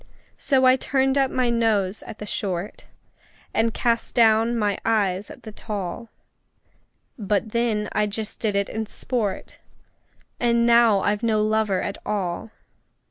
So I turned up my nose at the short, And cast down my eyes at the tall; But then I just did it in sport And now I've no lover at all!